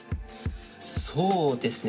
そうですね。